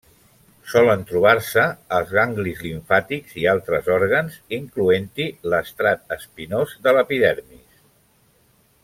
Solen trobar-se als ganglis limfàtics i altres òrgans, incloent-hi l'estrat espinós de l'epidermis.